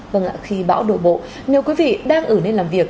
vâng ạ khi bão đổ bộ nếu quý vị đang ở nơi làm việc